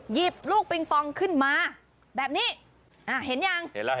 หยิบลูกปิงปองขึ้นมาแบบนี้เห็นยัง